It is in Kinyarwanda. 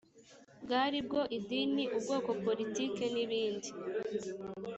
bwaribwo idini ubwoko politike n ibindi